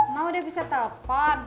mbak udah bisa telepon